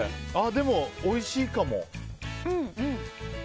でも、おいしいかも。